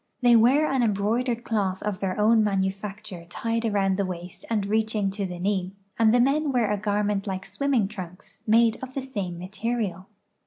They wear an embroidered cloth of their own manufacture tied around the waist and reaching to the knee, and the men wear a garment like swimming trunks, made of the same material.